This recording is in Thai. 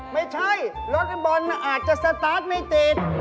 ไม่ใช่รถบอลมันอาจจะสตาร์ทไม่ติด